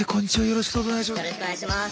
よろしくお願いします。